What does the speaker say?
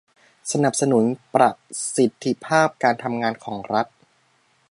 สนับสนุนประสิทธิภาพการทำงานของรัฐ